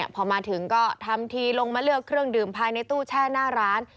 พอมาถึงก็ทำทีลงมาเลือกเครื่องดื่มภายในตู้แช่หน้าร้าน